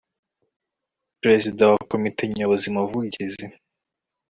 perezida wa komite nyobozi muvugizi